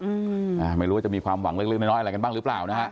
อืมอ่าไม่รู้ว่าจะมีความหวังเล็กเล็กน้อยน้อยอะไรกันบ้างหรือเปล่านะฮะ